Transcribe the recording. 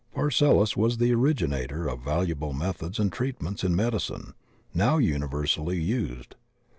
Paracelsus was the originator of valuable methods and treatments in medicine now universally used.